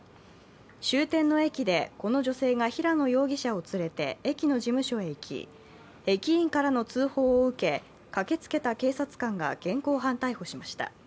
終点の駅でこの女性が平野容疑者を連れて駅の事務所へ行き、駅員からの通報を受け駆けつけた警察官が現行犯逮捕しました。